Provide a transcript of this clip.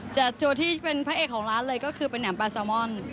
ตัวที่เป็นพระเอกของร้านเลยก็คือเป็นแหม่มปลาซาวมอน